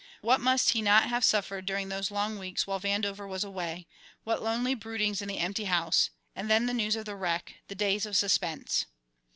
What must he not have suffered during those long weeks while Vandover was away, what lonely broodings in the empty house; and then the news of the wreck, the days of suspense!